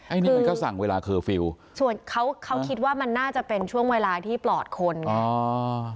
อันนี้มันก็สั่งเวลาเคอร์ฟิลล์ส่วนเขาเขาคิดว่ามันน่าจะเป็นช่วงเวลาที่ปลอดคนไงอ๋อ